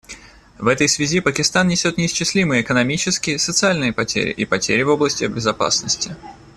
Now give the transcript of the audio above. В этой связи Пакистан несет неисчислимые экономические, социальные потери и потери в области безопасности.